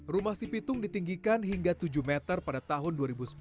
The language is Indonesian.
rumah si pitung ditinggikan hingga tujuh meter pada tahun dua ribu sepuluh